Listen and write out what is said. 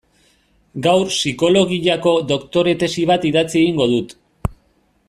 Gaur psikologiako doktore tesi bat idatzi egingo dut.